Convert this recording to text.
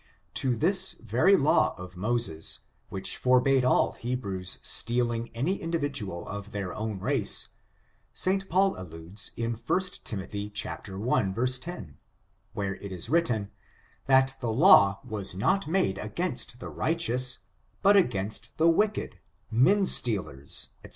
To this very law of Moses, which forbade aU He ' brews stealing any individual of their own race, St. Paul alludes in 1 Timothy i, 10, where it is writ ten, that the law was not made against the righteouai, but against the wicked, men stealers, &c.